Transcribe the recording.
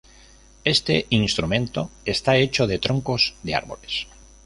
Este instrumento está hecho de troncos de árboles.